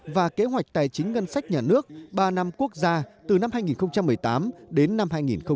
và kế hoạch tài chính ngân sách nhà nước ba năm quốc gia từ năm hai nghìn một mươi tám đến năm hai nghìn hai mươi